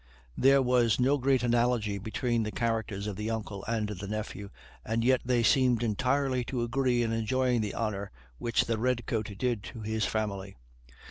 There was no great analogy between the characters of the uncle and the nephew, and yet they seemed entirely to agree in enjoying the honor which the red coat did to his family.